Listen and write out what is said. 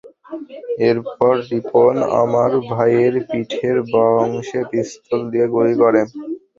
এরপর রিপন আমার ভাইয়ের পিঠের বাঁ অংশে পিস্তল দিয়ে গুলি করে।